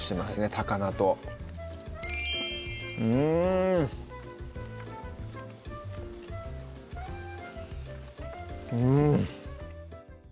高菜とうんうん